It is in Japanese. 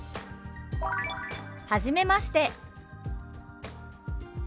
「はじめまして」。